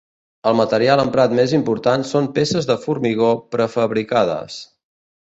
El material emprat més important són peces de formigó prefabricades.